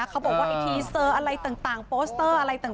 เขาบอกว่าไอ้ทีเซอร์อะไรต่างโปสเตอร์